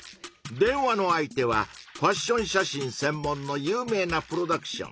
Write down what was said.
電話の相手はファッション写真せんもんの有名なプロダクション。